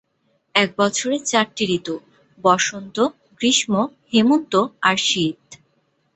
এক বছরে চারটি ঋতু: বসন্ত, গ্রীষ্ম, হেমন্ত আর শীত।